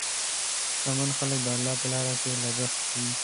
شتمن خلک د الله په لاره کې لګښت کوي.